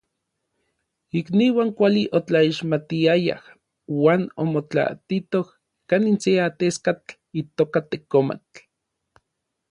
Ikniuan kuali otlaixmatiayaj uan omotlaatitoj kanin se ateskatl itoka Tekomatl.